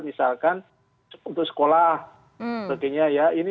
misalkan untuk sekolah sebagainya ya